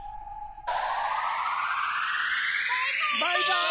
バイバーイ！